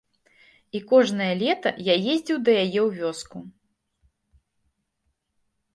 І кожнае лета я ездзіў да яе ў вёску.